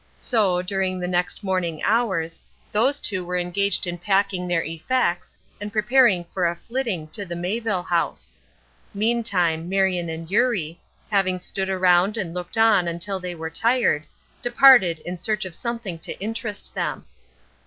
So, during the next morning hours, those two were engaged in packing their effects and preparing for a flitting to the Mayville House. Meantime Marion and Eurie, having stood around and looked on until they were tired, departed in search of something to interest them.